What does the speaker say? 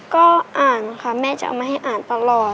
ก็อ่านค่ะแม่จะเอามาให้อ่านตลอด